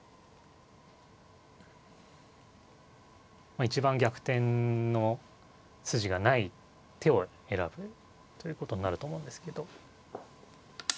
まあ一番逆転の筋がない手を選ぶということになると思うんですけど。